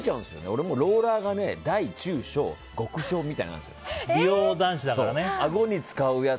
俺もローラーが大中小、極小みたいなのがあるんですよ。